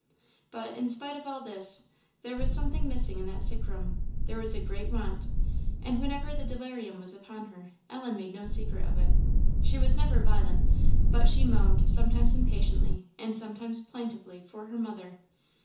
But, in spite of all this, there was something missing in that sick room there was a great want; and whenever the delirium was upon her, Ellen made no secret of it. She was never violent; but she moaned, sometimes impatiently, and sometimes plaintively, for her mother.